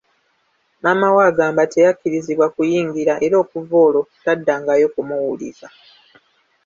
Maama we agamba teyakkirizibwa kuyingira era okuva olwo, taddangayo kumuwuliza.